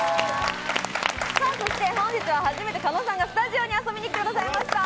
そして本日は初めて狩野さんがスタジオに遊びに来てくださいました。